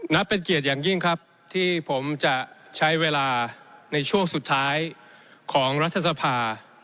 เป็นเกียรติอย่างยิ่งครับที่ผมจะใช้เวลาในช่วงสุดท้ายของรัฐสภา